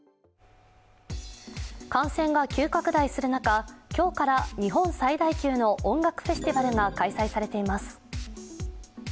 感染が急拡大する中、今日から日本最大級の音楽フェスティバルが開催されています。